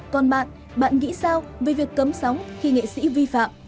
còn bạn bạn nghĩ sao về việc cấm sóng khi nghệ sĩ vi phạm